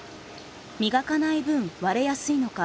磨かない分割れやすいのか